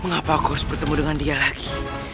mengapa aku harus bertemu dengan dia lagi